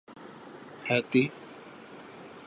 ہیتی